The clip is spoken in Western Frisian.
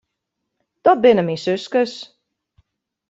Dat binne myn suskes.